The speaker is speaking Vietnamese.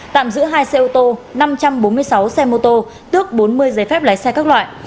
tạm giữ hai xe ô tô năm trăm bốn mươi sáu xe mô tô tước bốn mươi giấy phép lái xe các loại